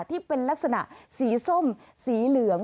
ที่เป็นลักษณะสีส้มสีเหลือง